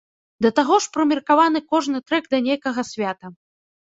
Да таго ж прымеркаваны кожны трэк да нейкага свята.